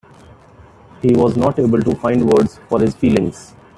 He was not able to find words for his feelings.